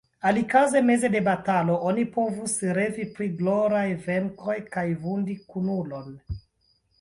Alikaze meze de batalo oni povus revi pri gloraj venkoj kaj vundi kunulon.